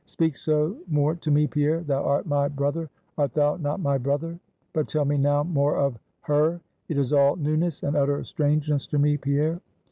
"Speak so more to me, Pierre! Thou art my brother; art thou not my brother? But tell me now more of her; it is all newness, and utter strangeness to me, Pierre."